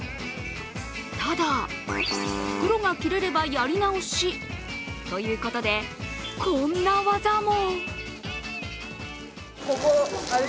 ただ、袋が切れればやり直しということでこんな技も。